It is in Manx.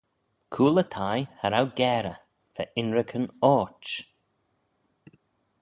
Cooyl y thie, cha row garey - va ynrican orçh.